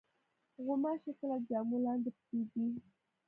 غوماشې کله د جامو لاندې پټېږي.